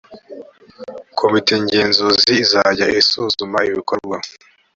komite ngenzuzi izajya isuzuma ibikorwa